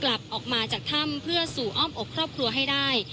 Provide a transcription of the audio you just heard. กลับออกมาจากถ้ำเพื่อสู่อ้อมอกครอบครัวให้ได้